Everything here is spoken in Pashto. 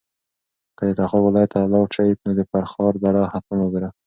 که د تخار ولایت ته لاړ شې نو د فرخار دره حتماً وګوره.